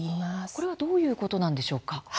これはどういうことなんでしょうか。